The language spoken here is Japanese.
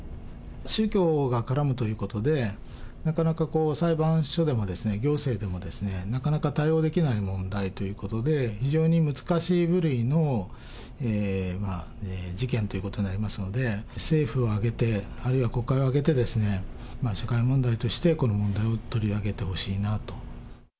宗教が絡むということで、なかなか裁判所でも行政でもなかなか対応できない問題ということで、非常に難しい部類の事件ということになりますので、政府を挙げて、あるいは国会を挙げて、社会問題としてこの問題を取り上げてほしいなと。